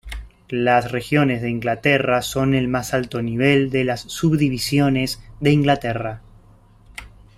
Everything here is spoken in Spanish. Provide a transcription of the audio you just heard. Las regiones de Inglaterra son el más alto nivel de las Subdivisiones de Inglaterra.